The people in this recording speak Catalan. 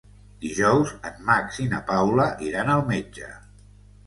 Dijous en Max i na Paula iran al metge.